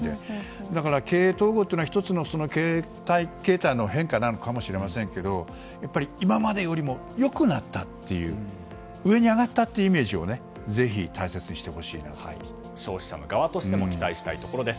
だから経営統合は１つの形態の変化なのかもしれませんけど今までよりも良くなったっていう上に上がったというイメージをぜひ大切にしてほしいなと消費者側としても期待したいところです。